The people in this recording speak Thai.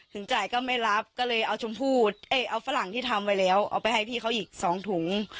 ถึงจ่ายก็ไม่รับก็เลยเอาชมพู่เอาฝรั่งที่ทำไว้แล้วเอาไปให้พี่เขาอีก๒ถุง